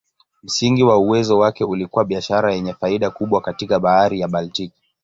Msingi wa uwezo wake ulikuwa biashara yenye faida kubwa katika Bahari ya Baltiki.